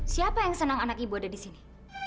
siapa yang senang anak ibu ada di sini